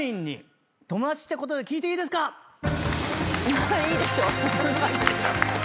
⁉まあいいでしょう。